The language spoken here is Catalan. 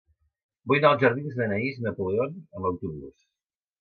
Vull anar als jardins d'Anaïs Napoleon amb autobús.